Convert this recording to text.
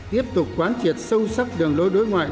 tiếp tục quán triệt sâu sắc đường lối đối ngoại